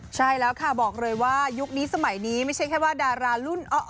ใช่แล้วค่ะบอกเลยว่ายุคนี้สมัยนี้ไม่ใช่แค่ว่าดารารุ่น